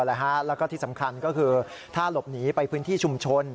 แล้วก็ที่สำคัญก็คือถ้าหลบหนีไปพื้นที่ชุมชน